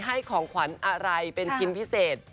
ให้ของขวัญอะไรเป็นชิ้นพิเศษ